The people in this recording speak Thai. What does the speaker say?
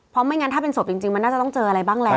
เพราะไม่งั้นถ้าเป็นศพจริงมันน่าจะต้องเจออะไรบ้างแล้ว